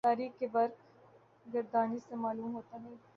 تاریخ کی ورق گردانی سے معلوم ہوتا ہے